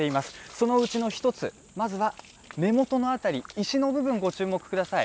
そのうちの一つ、まずは根元の辺り、石の部分、ご注目ください。